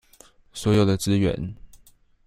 所有的資源